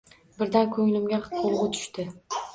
Birdan ko‘nglimga g‘ulg‘u tushdi.